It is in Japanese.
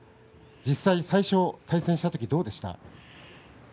実際、最初、対戦した時どうですか。